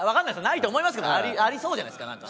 ないと思いますけどありそうじゃないですかなんか。